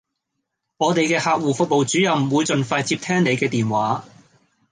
我地既客戶服務主任會盡快接聽你既電話